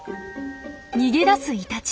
逃げ出すイタチ。